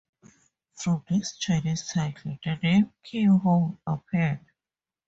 From this Chinese title, the name Kew Ho appeared.